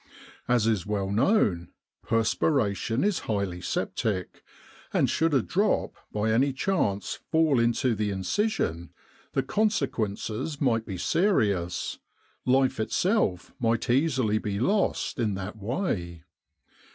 As is well known, perspiration is highly septic, and should a drop by any chance fall into the incision, the consequences might be serious life itself might easily be lost in that way.